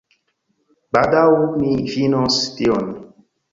Baldaŭ ni finos tion